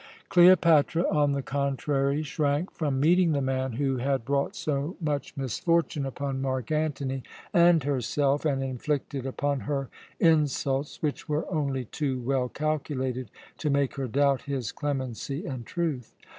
Cleopatra, on the contrary, shrank from meeting the man who had brought so much misfortune upon Mark Antony and herself, and inflicted upon her insults which were only too well calculated to make her doubt his clemency and truth.